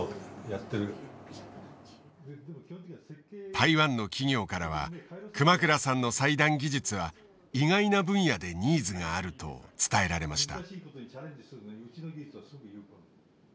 台湾の企業からは熊倉さんの裁断技術は意外な分野でニーズがあると伝えられました。